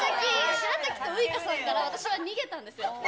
しらたきとウイカさんから私は逃げたんですよ。